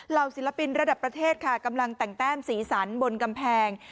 ศิลปินระดับประเทศค่ะกำลังแต่งแต้มสีสันบนกำแพง